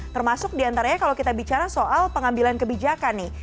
termasuk diantaranya kalau kita bicara soal pengambilan kebijakan nih